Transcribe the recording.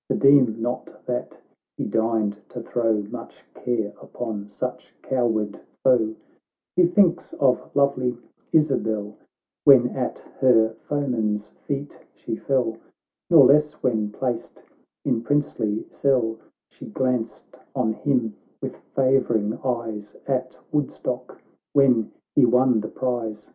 — (For deem not that he deigned to throw Much care upon such coward foe,) — He thinks of lovely Isabel, AY hen at her foeman's feet she fell, Nor less when, placed in princely sclle, She glanced on him with favouring eyes, At Woodstock when he won the prize.